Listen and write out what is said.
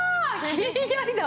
ひんやりだ。